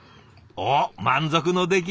おっ満足の出来？